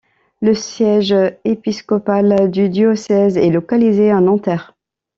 Le siège épiscopal du diocèse est localisé à Nanterre.